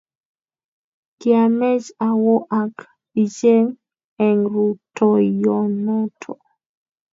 Kiamech awo ak ikech eng' rutoiyonoto